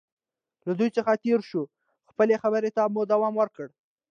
له دوی څخه تېر شو، خپلې خبرې ته مو دوام ورکړ.